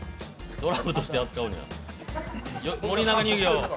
ドラムとして扱うんや。